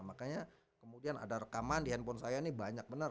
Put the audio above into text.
makanya kemudian ada rekaman di handphone saya ini banyak benar